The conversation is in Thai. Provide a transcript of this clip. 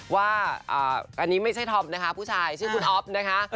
ว่าอันนี้ไม่ใช่ธอมนะคะผู้ชายชื่อคุณอ๊อฟนะคะ